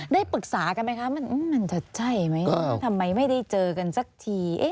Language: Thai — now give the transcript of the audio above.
ได้ปรึกษากันไหมคะมันจะใช่ไหมทำไมไม่ได้เจอกันสักที